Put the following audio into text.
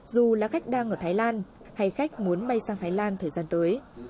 dù là khách đang ở thái lan hay khách muốn bay sang thái lan thời gian tới